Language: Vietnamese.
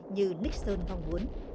như nixon mong muốn